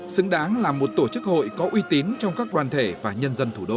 xứng đáng là một tổ chức hội có uy tín trong các đoàn thể và nhân dân thủ đô